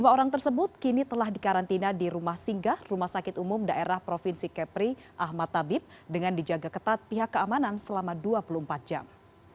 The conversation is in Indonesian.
lima orang tersebut kini telah dikarantina di rumah singgah rumah sakit umum daerah provinsi kepri ahmad tabib dengan dijaga ketat pihak keamanan selama dua puluh empat jam